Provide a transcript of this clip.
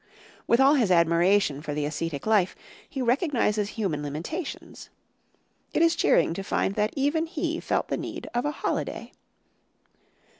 With all his admiration for the ascetic life, he recognizes human limitations. It is cheering to find that even he felt the need of a holiday.